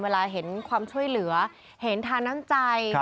เวลาเห็นความช่วยเหลือเห็นทาน้ำใจ